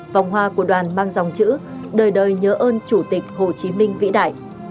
vòng hoa của đoàn mang dòng chữ đời đời nhớ ơn chủ tịch hồ chí minh vĩ đại